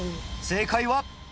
正解は